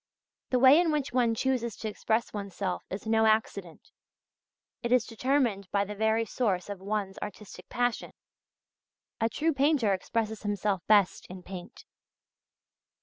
The way in which one chooses to express oneself is no accident; it is determined by the very source of one's artistic passion. A true painter expresses himself best in paint.